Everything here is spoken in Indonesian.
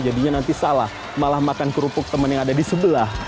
jadinya nanti salah malah makan kerupuk teman yang ada di sebelah